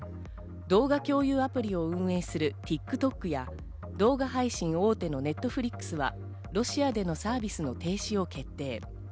動画共有アプリを運営するＴｉｋＴｏｋや、動画配信大手のネットフリックスはロシアでのサービスの停止を決定。